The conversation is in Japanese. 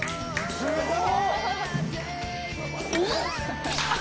すごい！